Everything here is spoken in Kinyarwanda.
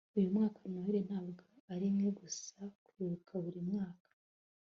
uyu mwaka noheri ntabwo ari imwe, gusa kwibuka buri mwaka